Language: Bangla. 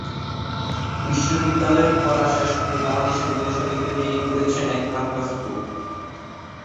বিশ্ববিদ্যালয়ের পড়া শেষ করে বাংলাদেশি বন্ধুদের সঙ্গে তৈরি করেছেন একমাত্রা স্কুল।